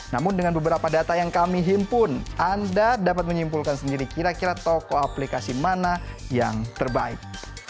namun dengan beberapa data yang kami himpun anda dapat menyimpulkan sendiri kira kira toko aplikasi mana yang terbaik